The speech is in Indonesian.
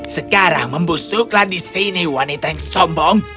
sekarang membusuklah di sini wanita yang sombong